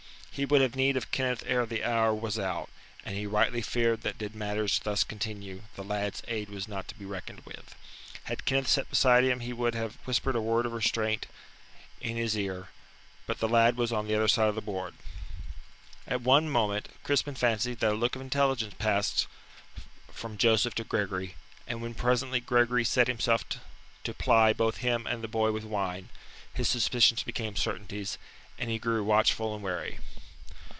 He would have need of Kenneth ere the hour was out, and he rightly feared that did matters thus continue, the lad's aid was not to be reckoned with. Had Kenneth sat beside him he might have whispered a word of restraint in his eat, but the lad was on the other side of the board. At one moment Crispin fancied that a look of intelligence passed from Joseph to Gregory, and when presently Gregory set himself to ply both him and the boy with wine, his suspicions became certainties, and he grew watchful and wary.